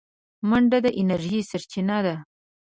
منډه د انرژۍ سرچینه ده